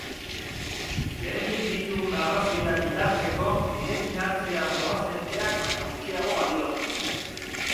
Lehendik ditugun arrazoiak indartzeko, nirekin hartzera zoazen teak baino gutxiago balio du.